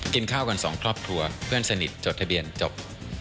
ข้าวกันสองครอบครัวเพื่อนสนิทจดทะเบียนจบ